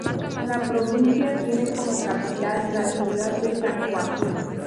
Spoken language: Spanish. La provincia tiene como capital la ciudad de San Joaquín.